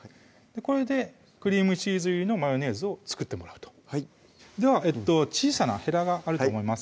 これでクリームチーズ入りのマヨネーズを作ってもらうとでは小さなヘラがあると思います